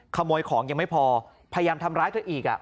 ขโมยของยังไม่พอพยายามทำร้ายเธออีก